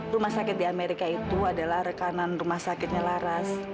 rumah sakit di amerika itu adalah rekanan rumah sakitnya laras